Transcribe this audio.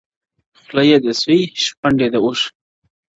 خوله ئې د سوى، شخوند ئې د اوښ.